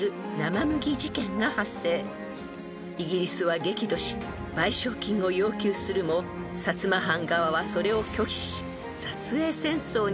［イギリスは激怒し賠償金を要求するも薩摩藩側はそれを拒否し薩英戦争にまで発展しました］